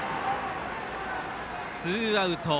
ツーアウト。